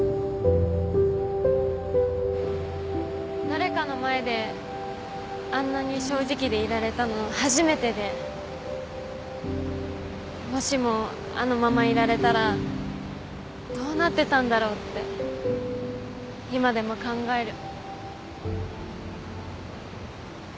誰かの前であんなに正直でいられたの初めてでもしもあのままいられたらどうなってたんだろうって今でも考える。